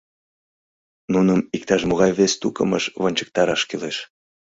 Нуным иктаж-могай вес тукымыш вончыктараш кӱлеш.